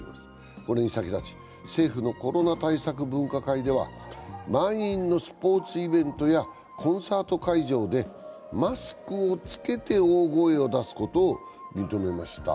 これに先立ち、政府のコロナ対策分科会では満員のスポーツイベントやコンサート会場でマスクを着けて大声を出すことを認めました。